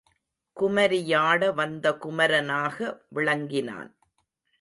குமரியாட வந்த குமரனாக விளங்கினான்.